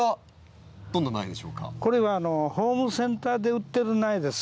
これはホームセンターで売ってる苗です。